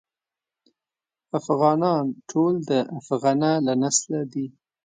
افغانان ټول د افغنه له نسله دي.